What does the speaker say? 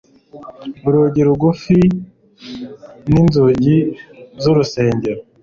Urugi rugufi ninzugi zurusengero